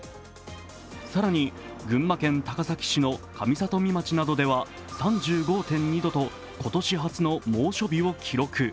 更に、群馬県高崎市の上里見町では３５．２度と今年初の猛暑日を記録。